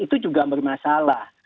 itu juga bermasalah